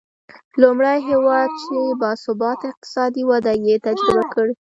لومړی هېواد چې با ثباته اقتصادي وده یې تجربه کړې.